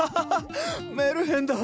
メルヘンだ！